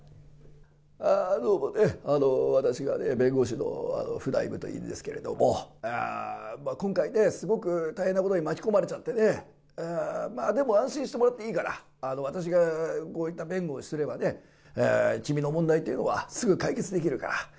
ああ、どうもね、私がね、弁護士のフナイムというんですけど、今回ね、すごく大変なことに巻き込まれちゃってね、まあ、でも、安心してもらっていいから、私がこういった弁護をすればね、君の問題っていうのは、すぐ解決できるから。